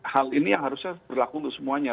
hal ini yang harusnya berlaku untuk semuanya